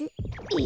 え？